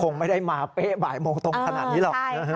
คงไม่ได้มาเป๊ะบ่ายโมงตรงขนาดนี้หรอก